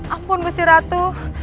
ampun gusti ratu